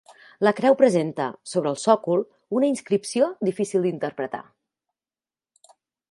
La creu presenta, sobre el sòcol, una inscripció difícil d'interpretar.